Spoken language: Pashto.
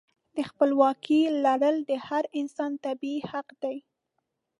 د خپلواکۍ لرل د هر انسان طبیعي حق دی.